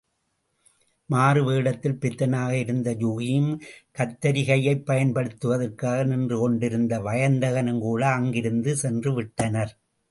மாறுவேடத்தில் பித்தனாக இருந்த யூகியும் கத்தரிகையைப் பயன்படுத்துவதற்காக நின்று கொண்டிருந்த வயந்தகனும்கூட அங்கிருந்து சென்றுவிட்டனர்.